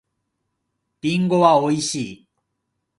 りんごは美味しい。